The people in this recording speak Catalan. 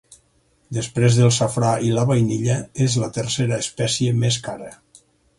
Després del safrà i la vainilla és la tercera espècie més cara.